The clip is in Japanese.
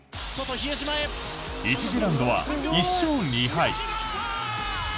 １次ラウンドは１勝２敗。